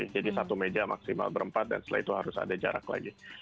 jadi satu meja maksimal berempat dan setelah itu harus ada jarak lagi